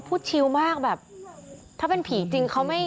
พี่ภูมิเห็นเป็ดไหม